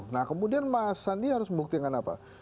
nah kemudian mas sandi harus membuktikan apa